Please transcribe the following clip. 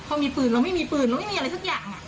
พอมีปืนเราไม่มีปืนเราไม่มีอะไรสักอย่าง